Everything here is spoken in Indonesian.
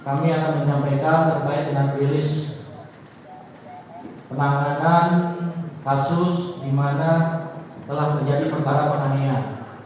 kami akan menyampaikan terbaik dengan beris penampakan kasus di mana telah menjadi perbara penganian